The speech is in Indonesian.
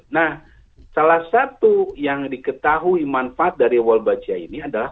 nah salah satu yang diketahui manfaat dari walbajia ini adalah